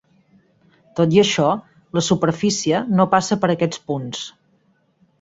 Tot i això, la superfície no passa per aquests punts.